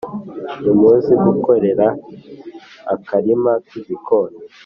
ntimuzi gukora akarima k’igikoni